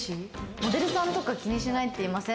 モデルさんとか気にしないって言いません？